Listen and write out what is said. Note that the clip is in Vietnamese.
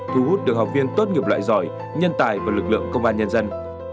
thu hút được học viên tốt nghiệp loại giỏi nhân tài và lực lượng công an nhân dân